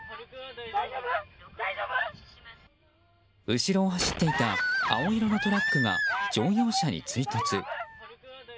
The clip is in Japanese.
後ろを走っていた青色のトラックが乗用車に追突。